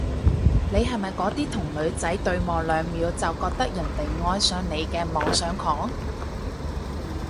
你係咪嗰啲同女仔對望兩秒就覺得人哋愛上你嘅妄想狂？